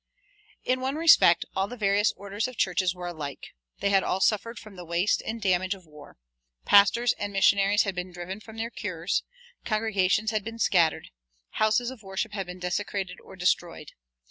In one respect all the various orders of churches were alike. They had all suffered from the waste and damage of war. Pastors and missionaries had been driven from their cures, congregations had been scattered, houses of worship had been desecrated or destroyed.